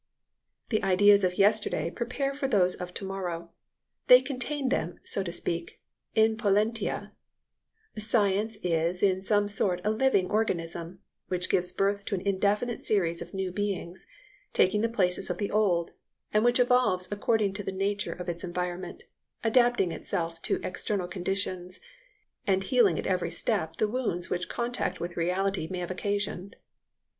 The ideas of yesterday prepare for those of to morrow; they contain them, so to speak, in potentia. Science is in some sort a living organism, which gives birth to an indefinite series of new beings taking the places of the old, and which evolves according to the nature of its environment, adapting itself to external conditions, and healing at every step the wounds which contact with reality may have occasioned.